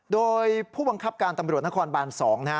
โดยผู้บังคับการตำรวจนครบาน๒นะฮะ